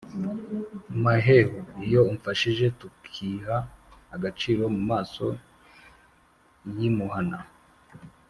Maheru iyo umfashije Tukiha agaciro Mu maso y’i Muhana!